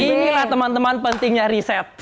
inilah teman teman pentingnya riset